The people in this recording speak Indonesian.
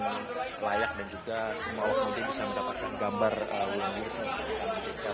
dengan layak dan juga semua wak media bisa mendapatkan gambar wulan guritno yang diperlukan untuk mengoperasikan